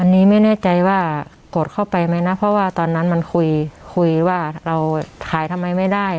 อันนี้ไม่แน่ใจว่ากดเข้าไปไหมนะเพราะว่าตอนนั้นมันคุยคุยว่าเราขายทำไมไม่ได้